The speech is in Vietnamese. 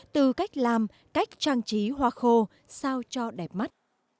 từ cách làm cách trang trí hoa khô sao cho đẹp mắt